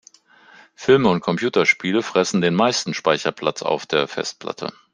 Filme und Computerspiele fressen den meisten Speicherplatz auf der Festplatte.